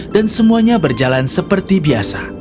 dan semuanya berjalan seperti biasa